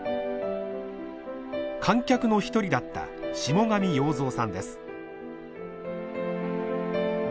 観客の一人だった下神洋造さんです。